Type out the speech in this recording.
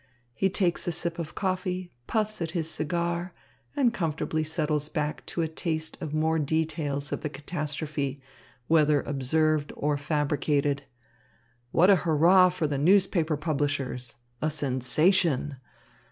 He takes a sip of coffee, puffs at his cigar, and comfortably settles back to a taste of more details of the catastrophe, whether observed or fabricated. What a hurrah for the newspaper publishers! A sensation!